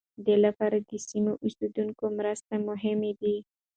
دې لپاره د سیمو اوسېدونکو مرسته مهمه ده.